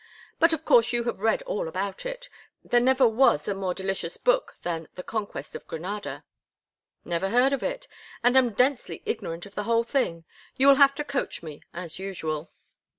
"But of course you have read all about it—there never was a more delicious book than The Conquest of Granada." "Never heard of it, and am densely ignorant of the whole thing. You will have to coach me, as usual."